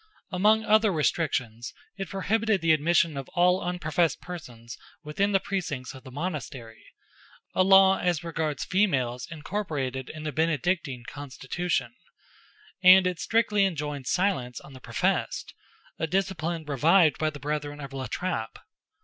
Amongst other restrictions it prohibited the admission of all unprofessed persons within the precincts of the monastery—a law as regards females incorporated in the Benedictine constitution; and it strictly enjoined silence on the professed—a discipline revived by the brethren of La Trappe.